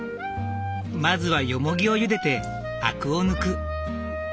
まずはヨモギをゆでてアクを抜く。